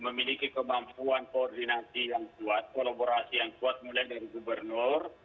memiliki kemampuan koordinasi yang kuat kolaborasi yang kuat mulai dari gubernur